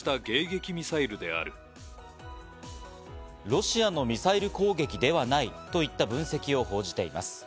ロシアのミサイル攻撃ではないといった分析を報じています。